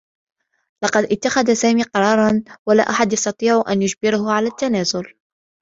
لقد اتّخذ سامي قرارا و لا أحد يستطيع أن يجبره على التّنازل.